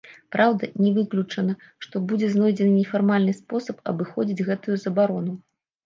Праўда, не выключана, што будзе знойдзены нефармальны спосаб абыходзіць гэтую забарону.